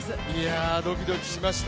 ドキドキしました。